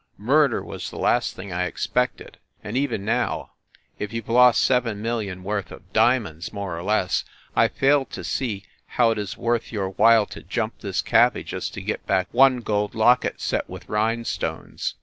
Murder was the last thing I expected. And even now, if you ve lost seven millions worth of dia monds, more or less, I fail to see how it is worth your while to jump this cabby just to get back one gold locket set with rhinestones.